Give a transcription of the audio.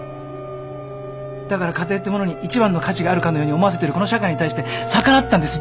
だから家庭ってものに一番の価値があるかのように思わせてるこの社会に対して逆らったんです。